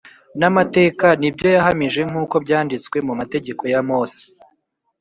n’amateka n’ibyo yahamije nk’uko byanditswe mu mategeko ya Mose